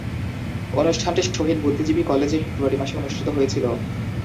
অনুষ্ঠানটি শহীদ বুদ্ধিজীবী কলেজে ফেব্রুয়ারি মাসে অনুষ্ঠিত হয়েছিলো।